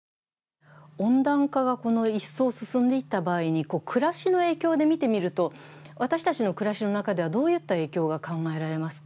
温暖化が一層進んでいった場合に暮らしの影響で見てみると、私たちの暮らしの中ではどういった影響が考えられますか？